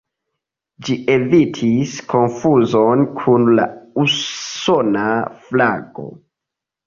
Ĝi evitis konfuzon kun la usona flago.